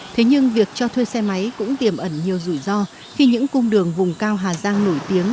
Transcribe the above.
thế nhưng việc cho thuê xe máy cũng tiềm ẩn nhiều rủi ro khi những cung đường vùng cao hà giang nổi tiếng